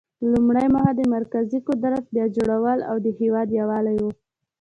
لومړۍ موخه د مرکزي قدرت بیا جوړول او د هیواد یووالی و.